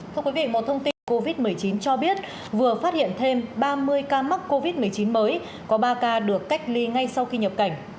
thưa quý vị một thông tin covid một mươi chín cho biết vừa phát hiện thêm ba mươi ca mắc covid một mươi chín mới có ba ca được cách ly ngay sau khi nhập cảnh